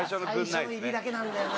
最初の入りだけなんだよな